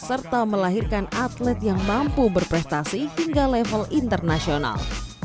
serta melahirkan atlet yang mampu berprestasi hingga level internasional